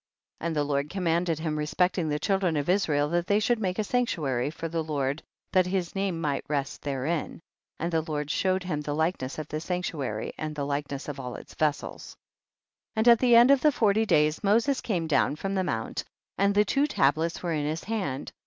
27. And the Lord commanded him respecting the children of Israel that they should make a sanctuary for the Lord, that his name might rest therein, and the Lord showed him the likeness of the sanctuary and the likeness of all its vessels. 28. And at the end of the forty days, Moses came down from the mount and the two tablets were in his hand.